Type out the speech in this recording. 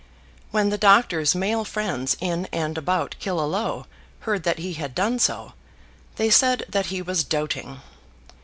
When the doctor's male friends in and about Killaloe heard that he had done so, they said that he was doting.